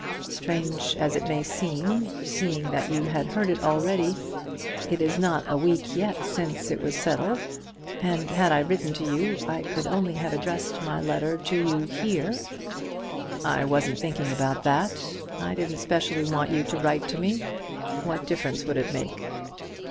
Strange as it may seem, seeing that you had heard it already, it is not a week yet since it was settled; and had I written to you, I could only have addressed my letter to you here." "I wasn't thinking about that. I didn't specially want you to write to me. What difference would it make?"